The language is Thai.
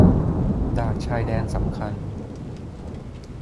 ด่านชายแดนสำคัญ